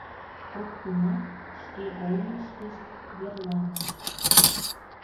Коктынат шке олмышкышт верланышт.